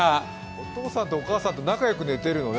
お父さんとお母さんと仲良く寝ているのね。